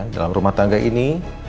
dalam rumah tangga ini